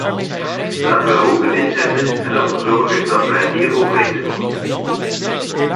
Laten wij hoger inzetten en ervoor zorgen dat we het hierover eens worden.